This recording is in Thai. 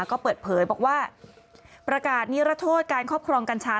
ก็เปิดเผยบอกว่าประกาศนิรโทษการครอบครองกัญชา